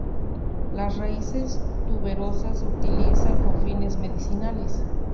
Las raíces tuberosas se utilizan con fines medicinales.